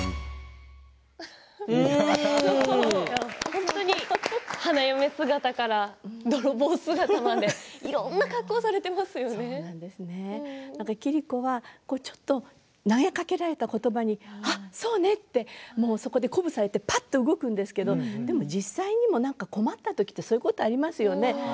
本当に花嫁姿から泥棒姿までいろんな格好を桐子はちょっと投げかけられた言葉にあっ、そうね！とそこで鼓舞されてぱっと動くんですけど実際にも困った時はそういうことがありますよね。